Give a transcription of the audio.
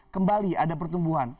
kembali ada pertumbuhan